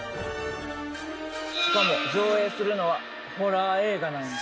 しかも上映するのはホラー映画なんや。